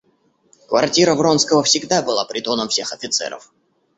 Квартира Вронского всегда была притоном всех офицеров.